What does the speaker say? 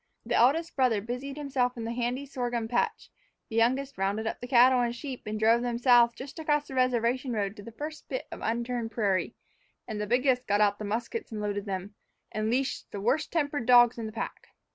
The eldest brother busied himself in the handy sorghum patch; the youngest rounded up the cattle and sheep and drove them south just across the reservation road to the first bit of unturned prairie; and the biggest got out the muskets and loaded them, and leashed the worst tempered dogs in the pack.